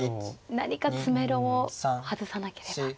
何か詰めろを外さなければ。